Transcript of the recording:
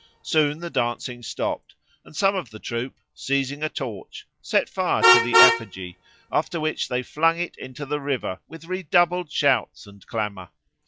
Soon the dancing stopped, and some of the troop, seizing a torch, set fire to the effigy, after which they flung it into the river with redoubled shouts and clamour.